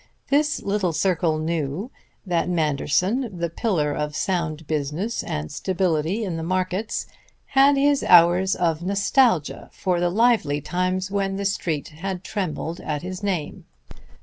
This little circle knew that Manderson, the pillar of sound business and stability in the markets, had his hours of nostalgia for the lively times when the Street had trembled at his name.